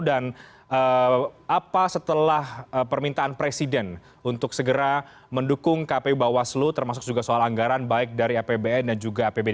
dan apa setelah permintaan presiden untuk segera mendukung kpu bawaslu termasuk juga soal anggaran baik dari apbn dan juga apbd